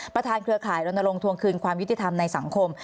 ประธานเครือข่ายรนรรงค์ทวงคืนความยุติธรรมในสังคม